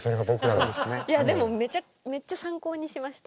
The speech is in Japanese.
いやでもめっちゃ参考にしました。